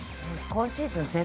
今シーズン